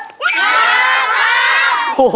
อยากครับ